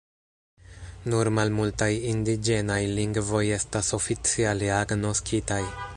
Nur malmultaj indiĝenaj lingvoj estas oficiale agnoskitaj.